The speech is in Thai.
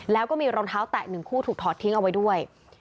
แล้วก็มีรองเท้าแตะ๑คู่ถูกถอดทิ้งเอาไว้ด้วย